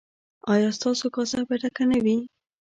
ایا ستاسو کاسه به ډکه نه وي؟